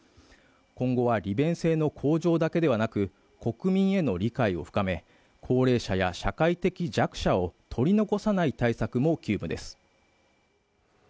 今後は利便性の向上だけではなく国民への理解を深め高齢者や社会的弱者を取り残さない対策も急務です